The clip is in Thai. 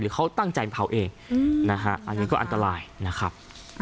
เขาตั้งใจเผาเองนะฮะอันนี้ก็อันตรายนะครับ